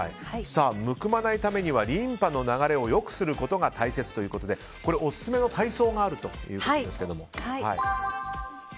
むくまないためにはリンパの流れを良くすることが大切ということでこれ、オススメの体操があるということですが。